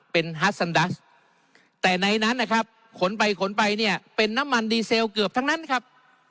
เป็นฮัสซันดัสแต่ในนั้นนะครับขนไปขนไปเนี่ยเป็นน้ำมันดีเซลเกือบทั้งนั้นครับ